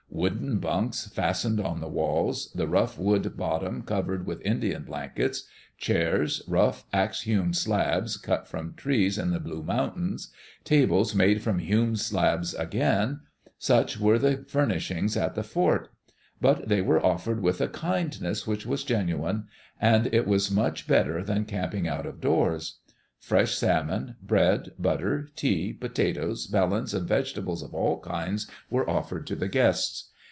Wooden bunks fastened on the walls, the rough wood bot tom covered with Indian blankets; chairs, rough axe hewn slabs, cut from trees in the Blue Mountains; tables made from hewn slabs again — such were the furnishings at the fort. But they were offered with a kindness which was [I2I] Digitized by CjOOQ IC EARLY DAYS IN OLD OREGON genuine, and it was much better than camping out of doors. Fresh salmon, bread, butter, tea, potatoes, melons, and vegetables of all kinds were offered to the guests.